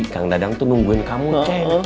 kang dadang tuh nungguin kamu cek